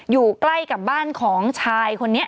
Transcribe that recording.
อยู่ใกล้กับบ้านของชายคนนี้